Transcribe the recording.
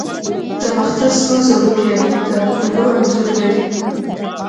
د باختر سرو زرو پیالې د اپولو انځور لري